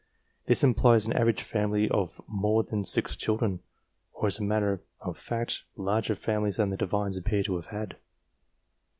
This implies an average family of more than 6 children, or, as a matter of fact, larger families than the Divines appear to have had.